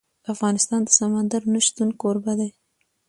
افغانستان د سمندر نه شتون کوربه دی.